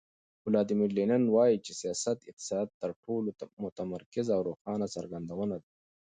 ولادیمیر لینین وایي چې سیاست د اقتصاد تر ټولو متمرکزه او روښانه څرګندونه ده.